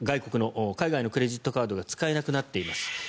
海外のクレジットカードが使えなくなっています。